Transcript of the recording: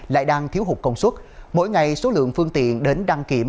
lại đang thiếu hụt công suất mỗi ngày số lượng phương tiện đến đăng kiểm